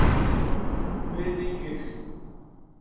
Béni kék.